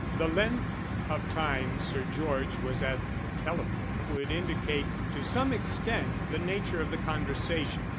The length of time Sir George was at the telephone would indicate to some extent the nature of the conversation.